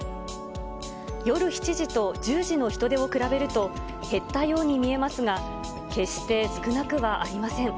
夜７時と１０時の人出を比べると、減ったように見えますが、決して少なくはありません。